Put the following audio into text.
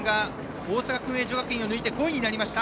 大阪薫英女学院を抜いて５位になりました。